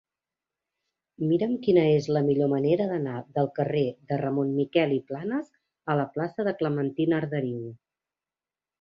Mira'm quina és la millor manera d'anar del carrer de Ramon Miquel i Planas a la plaça de Clementina Arderiu.